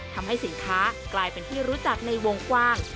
ทำให้สินค้ากลายเป็นที่รู้จักในวงกว้าง